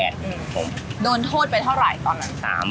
ผมโดนโทษไปเท่าไหร่ตอนนั้น